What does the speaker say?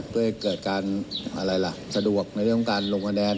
เพื่อให้สะดวกในเรื่องของการลงคะแนน